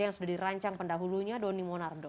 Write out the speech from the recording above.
yang sudah dirancang pendahulunya doni monardo